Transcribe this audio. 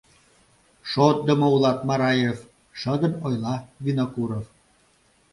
— Шотдымо улат, Мараев! — шыдын ойла Винокуров.